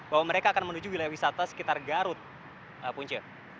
bahwa mereka akan menuju wilayah wisata sekitar garut punca